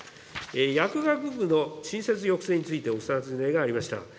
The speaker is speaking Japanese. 薬学部の新設抑制についてお尋ねがありました。